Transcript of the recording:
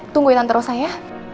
tungguin tante rosa ya